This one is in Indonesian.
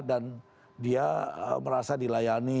dan dia merasa dilayani